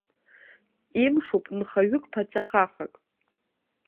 Имшуп нхаҩык, ԥаҵа хахак.